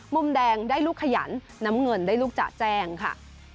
มุมแดงได้ลูกขยันน้ำเงินได้ลูกจ๋าแจ้งค่ะ